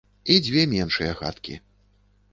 І дзве меншыя хаткі.